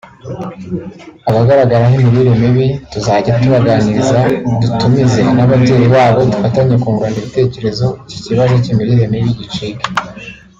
Abagaragaraho imirire mibi tuzajya tubaganiriza dutumize n’ababyeyi babo dufatanye kungurana ibitekerezo iki kibazo cy’imirire mibi gicike”